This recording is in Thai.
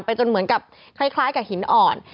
จนเหมือนกับคล้ายกับหินอ่อน